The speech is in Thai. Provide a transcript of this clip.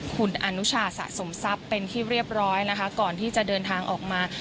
คุณอนุชาสะสมทรัพย์เป็นที่เรียบร้อยนะคะก่อนที่จะเดินทางออกมา